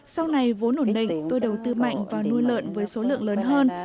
sau này vốn ổn định tôi đầu tư mạnh vào nuôi lợn với số lượng lớn hơn